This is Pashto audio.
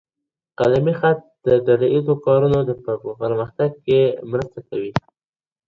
قلمي خط د ډله ایزو کارونو په پرمختګ کي مرسته کوي.